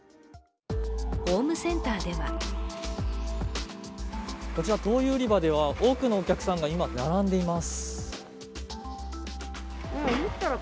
ホームセンターではこちら、灯油売り場では多くのお客さんが今、並んでいます。